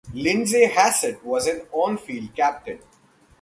Lindsay Hassett was the on-field captain.